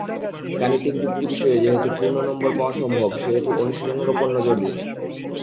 গাণিতিক যুক্তি বিষয়ে যেহেতু পূর্ণ নম্বর পাওয়া সম্ভব, সেহেতু অনুশীলনের ওপর জোর দিন।